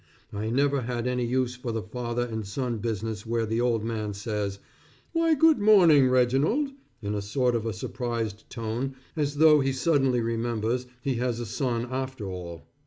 I never had any use for the father and son business where the old man says, "Why, good morning Reginald," in a sort of a surprised tone as though he suddenly remembers he has a son after all.